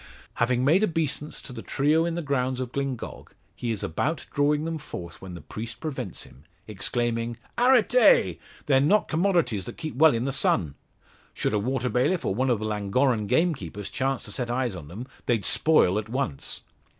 Having made obeisance to the trio in the grounds of Glyngog, he is about drawing them forth when the priest prevents him, exclaiming: "Arretez! They're not commodities that keep well in the sun. Should a water bailiff, or one of the Llangorren gamekeepers chance to set eyes on them, they'd spoil at once.